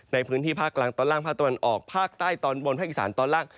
ในพื้นที่ภาคกลางตอนล่างภาคตะวันออกภาคใต้ตอนบนภาคอีสานตอนล่าง